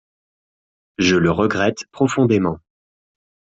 Je le regrette profondément.